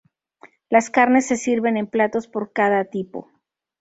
Las carnes se sirven en platos, por cada tipo.